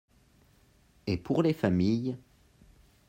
Et pour les familles